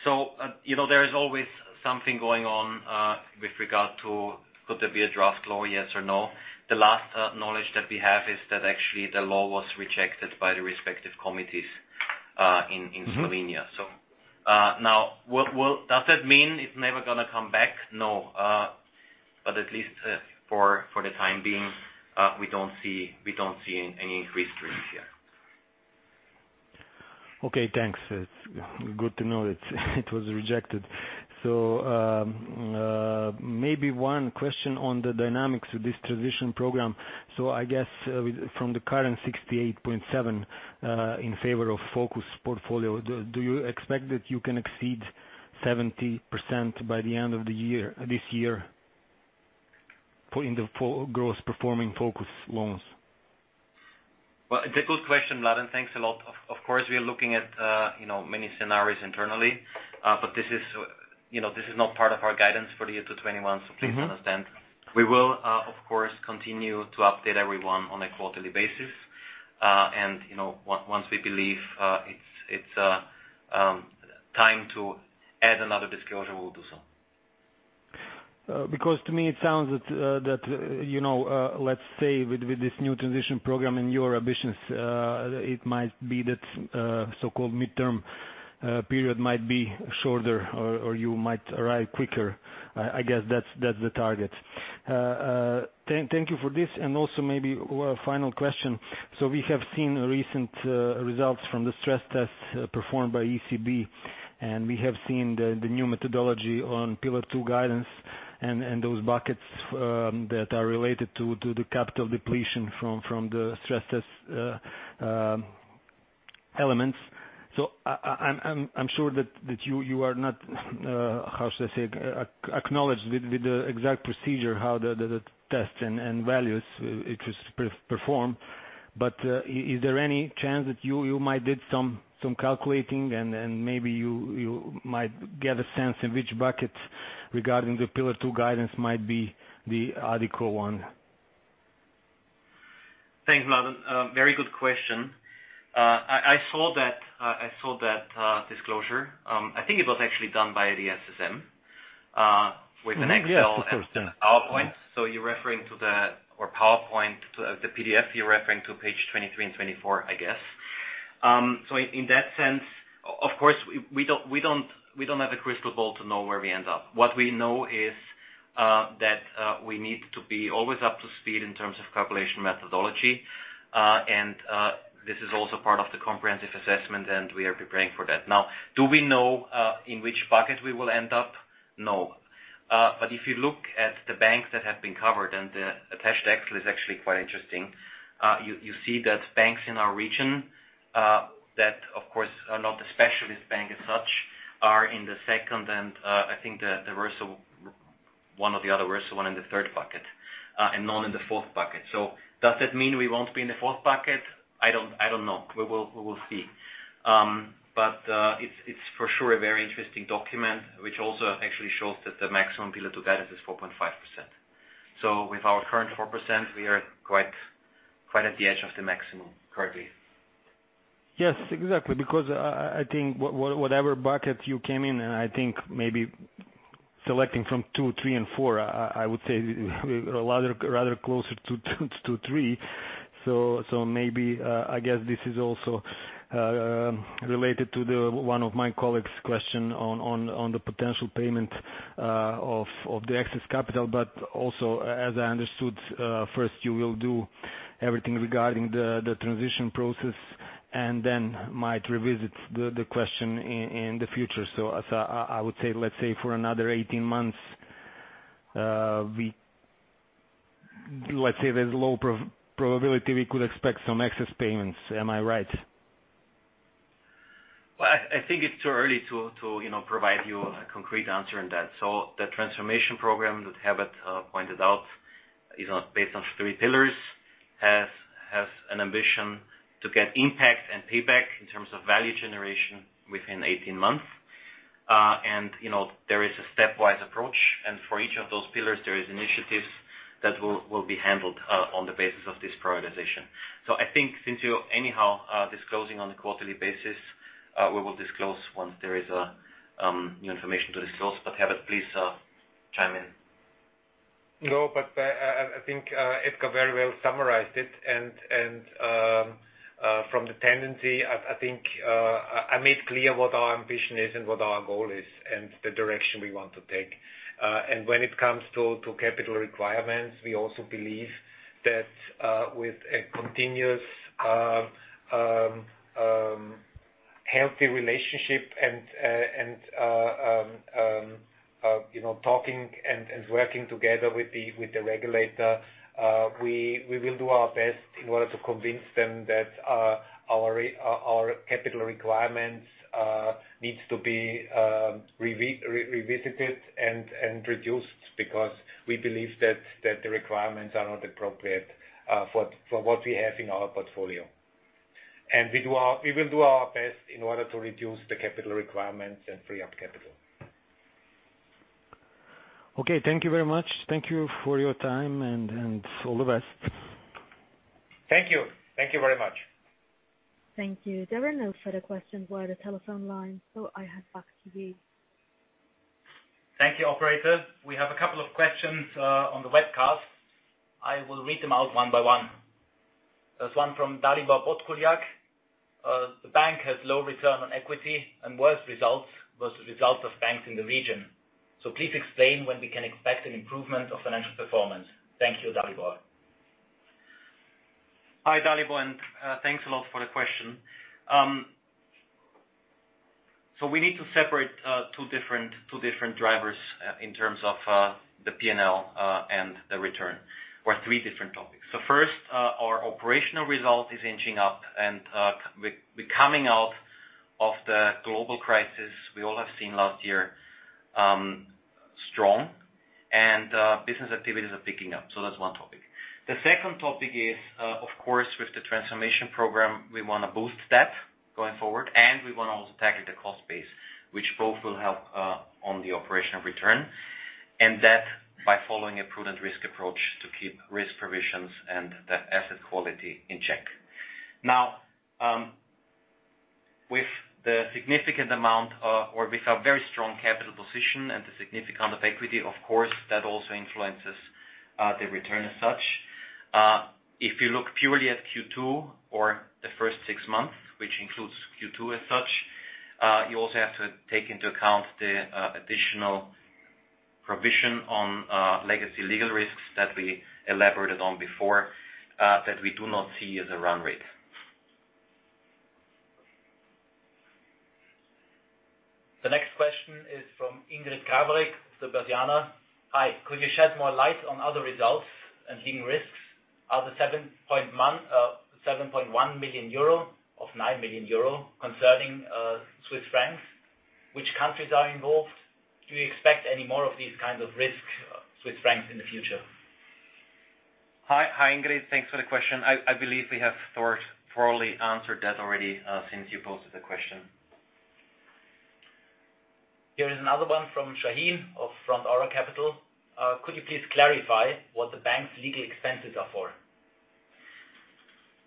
There is always something going on with regard to could there be a draft law, yes or no. The last knowledge that we have is that actually the law was rejected by the respective committees in Slovenia. Now, does that mean it's never going to come back? No. At least for the time being, we don't see any increased risk here. Okay, thanks. It is good to know that it was rejected. Maybe one question on the dynamics of this transition program. I guess from the current 68.7% in favor of focus portfolio, do you expect that you can exceed 70% by the end of this year, putting the gross-performing focus loans? Well, it's a good question, Mladen Dodig. Thanks a lot. Of course, we are looking at many scenarios internally. This is not part of our guidance for the year to 2021, so please understand. We will, of course, continue to update everyone on a quarterly basis. Once we believe it's time to add another disclosure, we will do so. To me it sounds that, let's say with this new transition program and your ambitions, it might be that so-called midterm period might be shorter or you might arrive quicker. I guess that's the target. Thank you for this, and also maybe one final question. We have seen recent results from the stress tests performed by ECB, and we have seen the new methodology on Pillar 2 guidance and those buckets that are related to the capital depletion from the stress test elements. I'm sure that you are not, how should I say, acknowledged with the exact procedure, how the tests and values, it is performed. Is there any chance that you might did some calculating and maybe you might get a sense in which buckets regarding the Pillar 2 guidance might be the Addiko one? Thanks, Mladen Dodig. Very good question. I saw that disclosure. I think it was actually done by the SSM with an Excel- Yes, it was done. PowerPoint. You're referring to the, or PowerPoint to the PDF, you're referring to page 23 and 24, I guess. In that sense, of course, we don't have a crystal ball to know where we end up. What we know is that we need to be always up to speed in terms of calculation methodology. This is also part of the comprehensive assessment, and we are preparing for that. Now, do we know in which bucket we will end up? No. If you look at the banks that have been covered, and the attached Excel is actually quite interesting, you see that banks in our region, that of course are not the specialist bank as such, are in the second and, I think one of the other one in the third bucket, and none in the fourth bucket. Does that mean we won't be in the fourth bucket? I don't know. We will see. It's for sure a very interesting document, which also actually shows that the maximum Pillar 2 guidance is 4.5%. With our current 4%, we are quite at the edge of the maximum currently. Yes, exactly, because I think whatever bucket you came in, and I think maybe selecting from 2%, 3% and 4%, I would say we are rather closer to 3%. Maybe, I guess this is also related to one of my colleague's question on the potential payment of the excess capital, but also, as I understood, first you will do everything regarding the transition process and then might revisit the question in the future. I would say, let's say for another 18 months, let's say there's low probability we could expect some excess payments. Am I right? Well, I think it's too early to provide you a concrete answer on that. The transformation program that Herbert pointed out is based on three pillars, has an ambition to get impact and payback in terms of value generation within 18 months. There is a stepwise approach, and for each of those pillars, there is initiatives that will be handled on the basis of this prioritization. I think since you're anyhow disclosing on a quarterly basis, we will disclose once there is new information to disclose. Herbert, please chime in. No, I think Edgar very well summarized it. From the tendency, I think I made clear what our ambition is and what our goal is and the direction we want to take. When it comes to capital requirements, we also believe that with a continuous healthy relationship and talking and working together with the regulator, we will do our best in order to convince them that our capital requirements needs to be revisited and reduced, because we believe that the requirements are not appropriate for what we have in our portfolio. We will do our best in order to reduce the capital requirements and free up capital. Okay. Thank you very much. Thank you for your time, and all the best. Thank you. Thank you very much. Thank you. There are no further questions via the telephone line. I hand back to you. Thank you, operator. We have a couple of questions on the webcast. I will read them out one by one. There is one from Dalibor Botkuliak. The bank has low return on equity and worse results versus results of banks in the region. Please explain when we can expect an improvement of financial performance. Thank you, Dalibor. Hi, Dalibor. Thanks a lot for the question. We need to separate two different drivers in terms of the P&L and the return, or three different topics. First, our operational result is inching up and we're coming out of the global crisis we all have seen last year, strong, and business activities are picking up. That's one topic. The second topic is, of course, with the transformation program, we want to boost that. Going forward, we want to also tackle the cost base, which both will help on the operational return. That by following a prudent risk approach to keep risk provisions and the asset quality in check. Now, with the significant amount or with a very strong capital position and the significant of equity, of course, that also influences the return as such. If you look purely at Q2 or the first six months, which includes Q2 as such, you also have to take into account the additional provision on legacy legal risks that we elaborated on before, that we do not see as a run rate. The next question is from Ingrid Krawarik, Sberbank. "Hi. Could you shed more light on other results and hidden risks? Are the 7.1 million euro of 9 million euro concerning Swiss francs? Which countries are involved? Do you expect any more of these kinds of risk, Swiss francs in the future? Hi, Ingrid. Thanks for the question. I believe we have thoroughly answered that already, since you posted the question. Here is another one from Shaheen of Frontaura Capital. "Could you please clarify what the bank's legal expenses are for?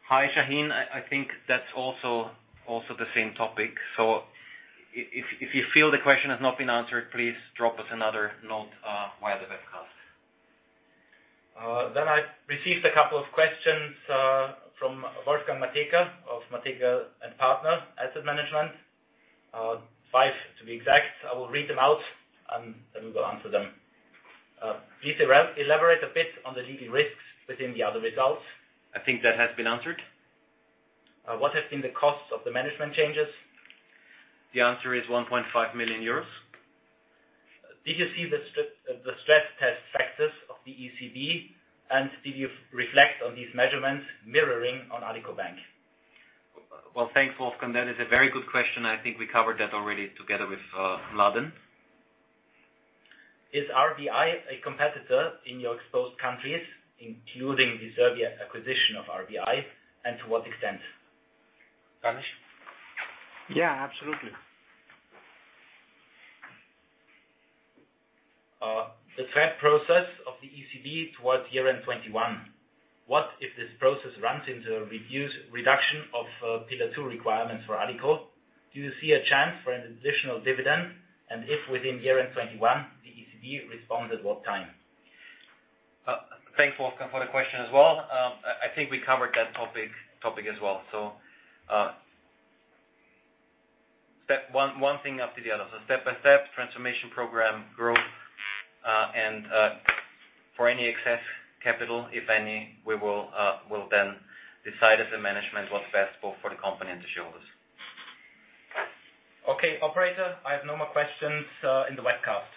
Hi, Shaheen. I think that's also the same topic. If you feel the question has not been answered, please drop us another note via the webcast. I received a couple of questions from Wolfgang Matejka of Matejka & Partner Asset Management. Five to be exact. I will read them out, and then we will answer them. "Please elaborate a bit on the legal risks within the other results. I think that has been answered. What has been the cost of the management changes? The answer is 1.5 million euros. Did you see the stress test factors of the ECB? Did you reflect on these measurements mirroring on Addiko Bank? Well, thanks, Wolfgang. That is a very good question. I think we covered that already together with Mladen Dodig. Is RBI a competitor in your exposed countries, including the Serbia acquisition of RBI, and to what extent? Ganesh? Yeah, absolutely. The SREP process of the ECB towards year-end 2021. What if this process runs into a reduction of Pillar 2 requirements for Addiko? Do you see a chance for an additional dividend? If within year-end 2021, the ECB responds at what time? Thanks, Wolfgang, for the question as well. I think we covered that topic as well. One thing after the other. Step by step, Transformation Program growth. For any excess capital, if any, we will then decide as a management what's best both for the company and the shareholders. Okay, operator, I have no more questions in the webcast.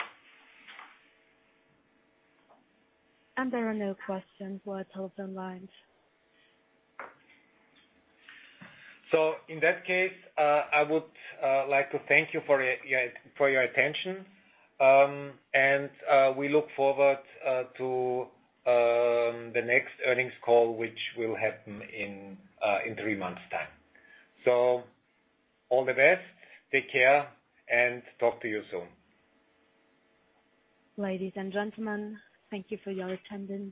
There are no questions via telephone lines. In that case, I would like to thank you for your attention. We look forward to the next earnings call, which will happen in three months' time. All the best, take care, and talk to you soon. Ladies and gentlemen, thank you for your attendance.